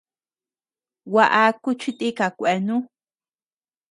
Gua aku chi tika kuenu.